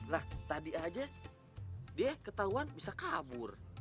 lah tadi aja dia ketahuan bisa kabur